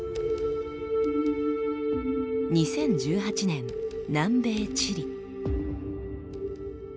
２０１８年南米チリ。